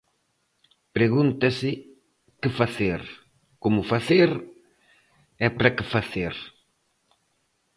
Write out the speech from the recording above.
Pregúntase Que Facer, Como Facer e Para Que Facer.